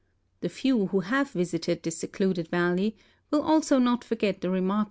The few who have visited this secluded valley will also not forget the remarkabh?